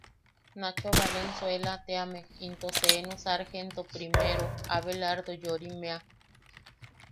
Nacho Valenzuela teame into seenu Sargento Primero Abelardo Yorimeʼa.